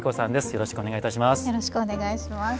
よろしくお願いします。